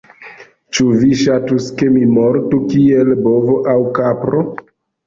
Ĉu vi ŝatus ke mi mortu kiel bovo, aŭ kapro?